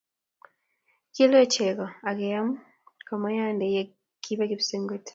Kilue chego akeam kumyande ye kibe kipsengwet